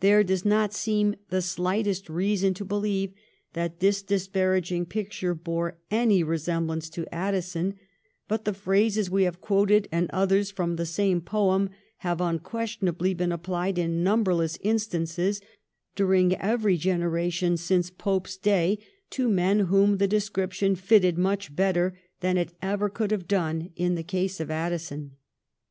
There does not seem the slightest reason to beheve that this disparaging picture bore any resem blance to Addison, but the phrases we have quoted and others from the same poem have unquestionably been applied in numberless instances, during every generation since Pope's day, to men whom the description fitted much better than it ever could have done in the case of Addison.